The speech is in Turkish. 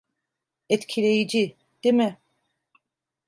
Etkileyici, değil mi?